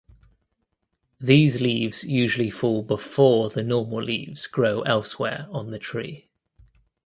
These leaves usually fall before the normal leaves grow elsewhere on the tree.